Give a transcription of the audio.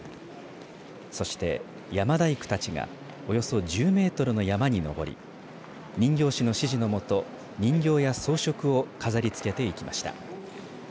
そして山笠大工がおよそ１０メートルの山笠にのぼり人形師の指示の下人形や装飾を飾りつけていきました。